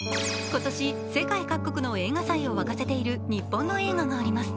今年、世界各国の映画祭を沸かせている日本の映画があります。